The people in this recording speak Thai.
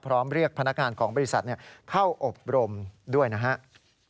เรียกพนักงานของบริษัทเข้าอบรมด้วยนะครับ